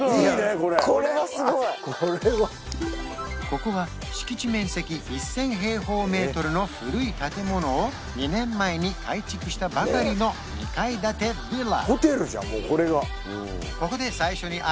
ここは敷地面積１０００平方メートルの古い建物を２年前に改築したばかりの２階建てヴィラ